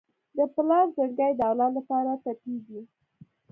د پلار زړګی د اولاد لپاره تپېږي.